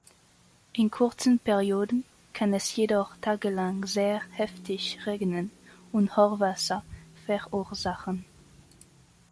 In kurzen Perioden kann es jedoch tagelang sehr heftig regnen und Hochwasser verursachen.